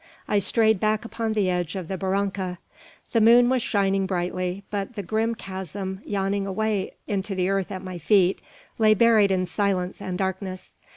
I strayed back upon the edge of the barranca. The moon was shining brightly, but the grim chasm, yawning away into the earth at my feet, lay buried in silence and darkness.